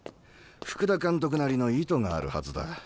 福田監督なりの意図があるはずだ。